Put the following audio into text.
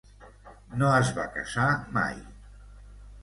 No es va casar mai.